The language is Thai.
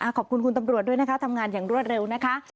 ขอบคุณคุณตำรวจด้วยนะคะทำงานอย่างรวดเร็วนะคะ